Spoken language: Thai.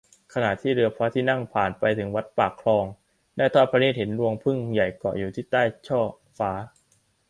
ขณะที่เรือพระที่นั่งผ่านไปถึงวัดปากคลอง ได้ทอดพระเนตรเห็นรวงผึ้งใหญ่เกาะอยู่ที่ใต้ช่อฟ้า